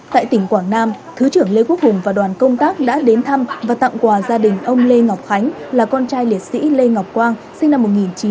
tại tỉnh quảng nam thứ trưởng lê quốc hùng và đoàn công tác đã đến thăm và tặng quà gia đình ông lê ngọc khánh là con trai liệt sĩ lê ngọc quang sinh năm một nghìn chín trăm tám mươi